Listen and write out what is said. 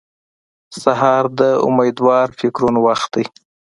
سهار د امېدوار فکرونو وخت دی.